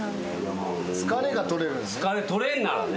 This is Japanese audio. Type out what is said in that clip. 疲れ取れるならね。